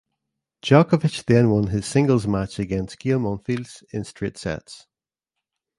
Djokovic then won his singles match against Gael Monfils in straight sets.